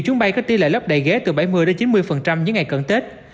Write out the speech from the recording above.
chuyến bay có tỷ lệ lấp đầy ghế từ bảy mươi chín mươi những ngày cận tết